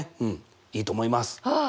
うんいいと思います。